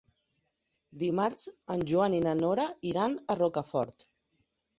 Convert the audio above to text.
Dimarts en Joan i na Nora iran a Rocafort.